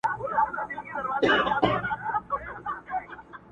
تازه هوا!